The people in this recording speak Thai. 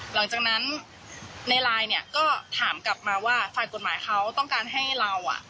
หลังจากนั้นในไลน์เนี่ยก็ถามกลับมาว่าฝ่ายกฎหมายเขาต้องการให้เราอ่ะ